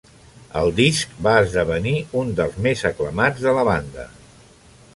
El disc va esdevenir un dels més aclamats de la banda.